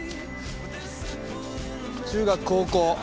中学高校。